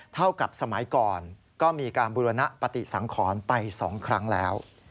เท่ากับสมัยก่อนก็มีการบุรณปฏิสังขรไป๒ครั้งแล้ว